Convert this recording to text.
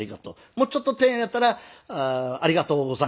もうちょっと丁寧だったら「ありがとうございます」。